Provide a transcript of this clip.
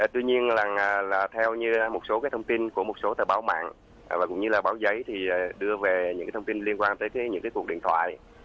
tuy nhiên là theo như một số thông tin của một số tờ báo mạng và cũng như là báo giấy thì đưa về những thông tin liên quan tới những cuộc điện thoại